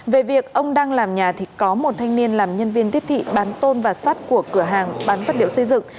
về việc ông đang làm nhà thì có một thanh niên làm nhân viên tiếp thị bán tôn và sắt của cửa hàng bán vật liệu xây dựng